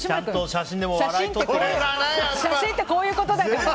写真ってこういうことだから！